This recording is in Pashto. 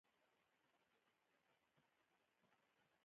له دغه يوه زړي په ميليونونو نور ورته زړي جوړ شي.